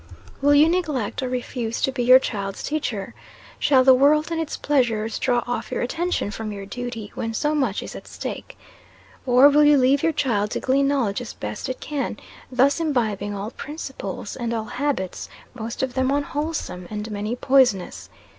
Will you neglect or refuse to be your child's teacher? Shall the world and its pleasures draw off your attention from your duty when so much is at stake? or, will you leave your child to glean knowledge as best it can, thus imbibing all principles and all habits, most of them unwholesome, and many poisonous?